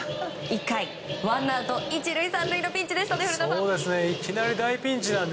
１回、ワンアウト１塁３塁のピンチです、古田さん。